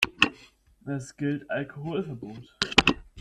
Es gilt Alkoholverbot.